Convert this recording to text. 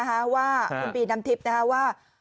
คุณบีน้ำทิพย์นะครับว่า